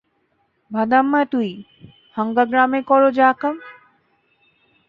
ভাদাইম্মা তুই, হাঙ্গা গ্রামে করো যে আকাম।